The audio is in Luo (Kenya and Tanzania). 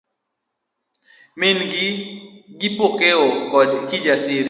Min gi, Kipokeo koda Kijasiri.